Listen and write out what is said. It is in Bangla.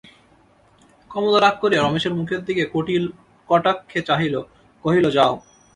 কমলা রাগ করিয়া রমেশের মুখের দিকে কুটিল কটাক্ষে চাহিল–কহিল, যাও!